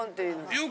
よく。